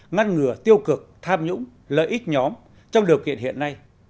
ngăn ngừa tiêu cực tham nhũng lợi ích nhóm trong điều kiện hiện nay